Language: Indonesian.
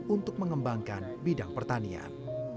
untuk mengembangkan bidang pertanian